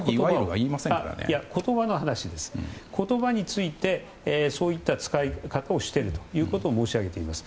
これは言葉についてそういった使い方をしているということを申し上げています。